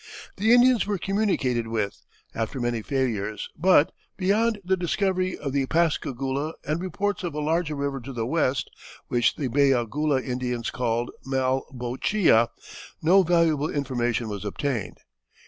The Indians were communicated with, after many failures, but, beyond the discovery of the Pascagoula and reports of a larger river to the west, which the Bayagoula Indians called Malbouchia, no valuable information was obtained.